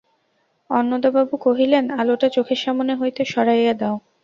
অন্নদাবাবু কহিলেন, আলোটা চোখের সামনে হইতে সরাইয়া দাও।